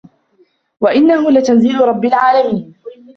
وَإِنَّهُ لَتَنزيلُ رَبِّ العالَمينَ